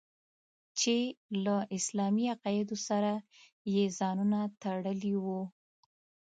چې له اسلامي عقایدو سره یې ځانونه تړلي وو.